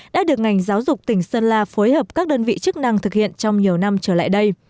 đã được ngành giáo dục tỉnh sơn la phối hợp các đơn vị chức năng thực hiện trong nhiều năm trở lại đây